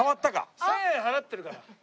１０００円払ってるから。